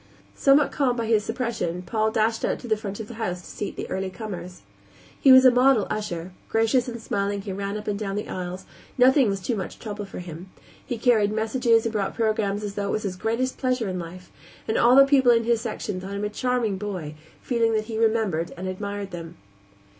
Somewhat calmed by his suppression, Paul dashed out to the front of the house to seat the early comers. He was a model usher; gracious and smiling he ran up and down the aisles; nothing was too much trouble for him; he carried messages and brought programs as though it were his greatest pleasure in life, and all the people in his section thought him a charming boy, feeling that he remembered and admired them.